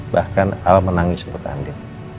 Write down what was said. bahkan al menangis untuk tanding